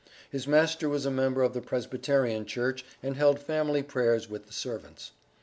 His master was a member of the Presbyterian Church and held family prayers with the servants.